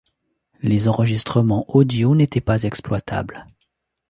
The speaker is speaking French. Les enregistrements audio n'étaient pas exploitables.